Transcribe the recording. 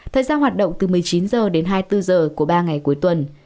thời gian hoạt động từ một mươi chín h đến hai mươi bốn h của ba ngày cuối tuần